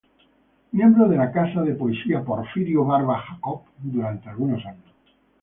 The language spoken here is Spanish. Miembro de la Casa de Poesía "Porfirio Barba Jacob" durante algunos años.